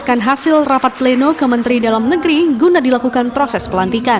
kofifah indar parawangsa menetapkan hasil rapat pleno ke menteri dalam negeri guna dilakukan proses pelantikan